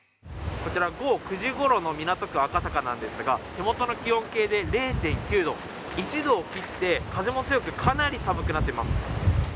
こちら、午後９時ごろの港区赤坂なんですが、手元の気温計で０．９度、１度を切って風も強く、かなり寒くなっています。